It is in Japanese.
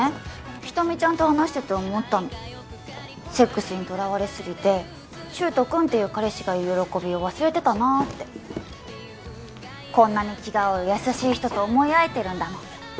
ひとみちゃんと話してて思ったのセックスにとらわれすぎて柊人君っていう彼氏がいる喜びを忘れてたなってこんなに気が合う優しい人と思い合えてるんだもん